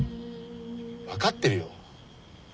分かってるよ。